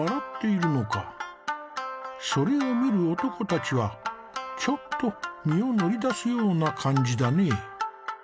それを見る男たちはちょっと身を乗り出すような感じだね。